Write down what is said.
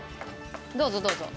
どうぞどうぞ。